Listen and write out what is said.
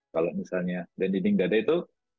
kalau misalnya dan dinding dada itu